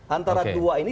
antara dua ini